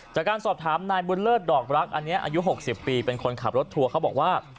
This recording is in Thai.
จากการสอบถามนายบุญเลิศดอกรักอันนี้อายุ๖๐ปีเป็นคนขับรถทัวร์เขาบอกว่า